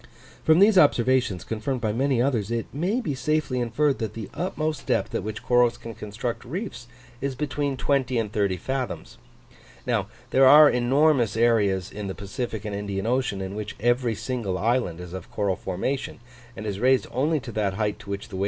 From these observations, confirmed by many others, it may be safely inferred that the utmost depth at which corals can construct reefs is between 20 and 30 fathoms. Now there are enormous areas in the Pacific and Indian Ocean, in which every single island is of coral formation, and is raised only to that height to which the waves can throw up fragments, and the winds pile up sand.